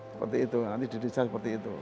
seperti itu nanti di desa seperti itu